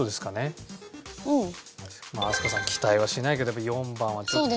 飛鳥さん期待はしないけどやっぱ４番はちょっと。